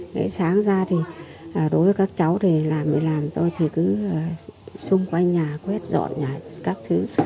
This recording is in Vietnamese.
ngày sáng ra thì đối với các cháu thì làm gì làm tôi thì cứ xung quanh nhà quét dọn nhà các thứ